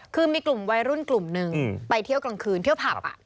คือมีกลุ่มวัยรุ่นกลุ่มหนึ่งไปเที่ยวกลางคืนเที่ยวผับ